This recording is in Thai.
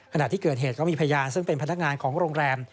ขณะที่เกิดเหตุก็มีพยานซึ่งเป็นพนักงานของโรงแรม